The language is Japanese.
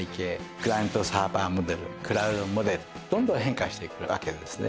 クライアントサーバーモデルクラウドモデルどんどん変化していくわけですね。